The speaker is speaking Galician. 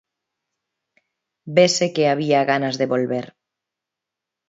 Vese que había ganas de volver.